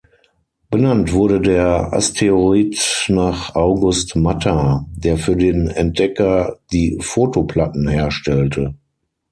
Benannt wurde der Asteroid nach "August Matter", der für den Entdecker die Fotoplatten herstellte.